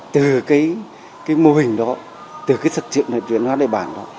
từ cái mô hình đó từ cái thực trực truyền hóa đại bản đó